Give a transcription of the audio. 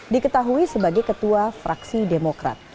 diketahui sebagai ketua fraksi demokrat